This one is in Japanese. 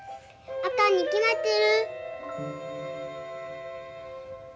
あかんに決まってる。